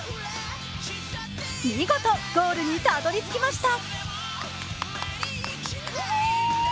見事、ゴールにたどり着きました。